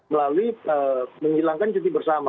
melalui menghilangkan cuti bersama